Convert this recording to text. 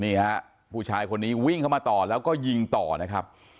นี่ฮะผู้ชายคนนี้วิ่งเข้ามาต่อแล้วก็ยิงต่อนะครับ